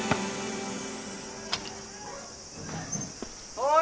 おい！